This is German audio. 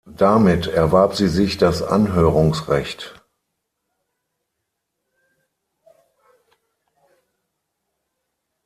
Damit erwarb sie sich das Anhörungsrecht.